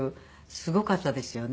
すごかったですよね。